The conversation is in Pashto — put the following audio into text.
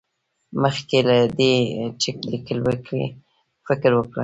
مخکې له دې چې ليکل وکړې، فکر وکړه.